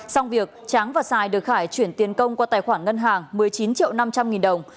xong việc tráng và sài được khải chuyển tiền công qua tài khoản ngân hàng một mươi chín triệu năm trăm linh nghìn đồng